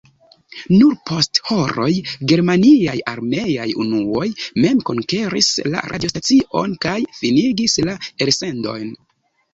Nur post horoj germaniaj armeaj unuoj mem konkeris la radiostacion kaj finigis la elsendojn.